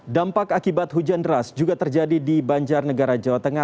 dampak akibat hujan deras juga terjadi di banjarnegara jawa tengah